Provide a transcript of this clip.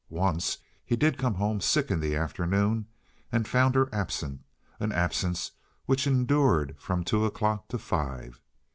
Once he did come home sick in the afternoon and found her absent—an absence which endured from two o'clock to five.